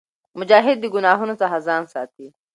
مجاهد د ګناهونو څخه ځان ساتي.